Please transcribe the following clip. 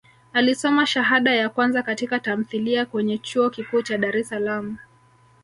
Alisoma shahada ya kwanza katika tamthilia kwenye Chuo Kikuu cha Dar es Salaam